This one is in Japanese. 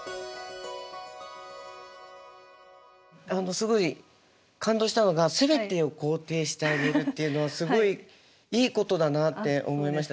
すごい感動したのがすべてを肯定してあげるっていうのはすごいいいことだなって思いました。